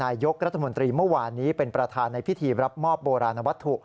นายกรัฐมนตรีเมื่อวานนี้เป็นประธานในพิธีรับมอบโบราณวัตถุ